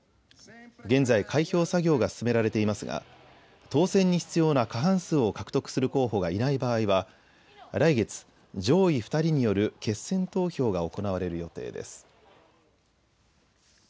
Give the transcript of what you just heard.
現在、開票作業が進められていますが、当選に必要な過半数を獲得する候補がいない場合は来月、上位２人による決選投票が行われる予定です。